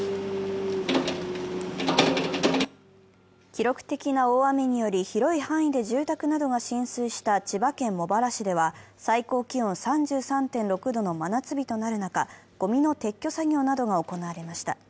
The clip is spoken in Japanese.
記録的な大雨により広い範囲で住宅などが浸水した千葉県茂原市では最高気温３３．６度の真夏日となる中、ごみの撤去作業などが行われました。